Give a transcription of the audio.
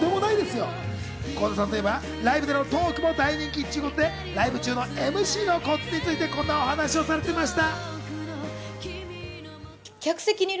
倖田さんといえばライブでのトークも大人気ということで、ライブ中のＭＣのコツについて、こんな話を聞かせてくれました。